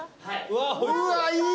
うわいい！